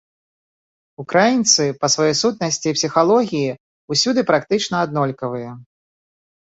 Украінцы па сваёй сутнасці і псіхалогіі ўсюды практычна аднолькавыя.